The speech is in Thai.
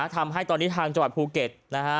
ทำให้ตอนนี้ทางจังหวัดภูเก็ตนะฮะ